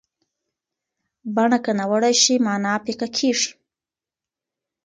بڼه که ناوړه شي، معنا پیکه کېږي.